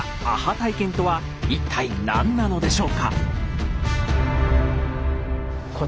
体験とは一体何なのでしょうか？